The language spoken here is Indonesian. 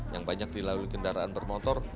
yang banyak dilalui kendaraan bermotor